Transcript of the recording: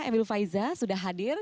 emil faiza sudah hadir